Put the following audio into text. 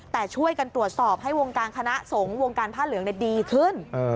แต่ช่วยกันตรวจสอบให้วงการคณะสงฆ์วงการผ้าเหลืองดีขึ้น